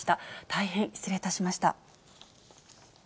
大変失礼いたしました。